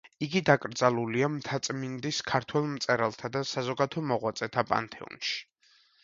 იგი დაკრძალულია მთაწმინდისა ქართველ მწერალთა და საზოგადო მოღვაწეთა პანთეონში.